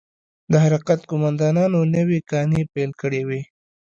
د حرکت قومندانانو نوې کانې پيل کړې وې.